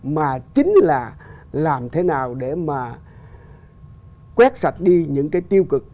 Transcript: mà chính là làm thế nào để mà quét sạch đi những cái tiêu cực